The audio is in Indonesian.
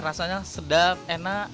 rasanya sedap enak